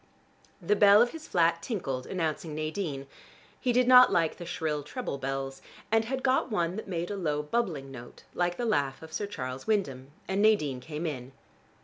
The bell of his flat tinkled announcing Nadine. He did not like the shrill treble bells, and had got one that made a low bubbling note like the laugh of Sir Charles Wyndham; and Nadine came in.